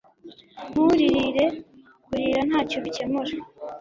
Nturirire Kurira ntacyo bikemura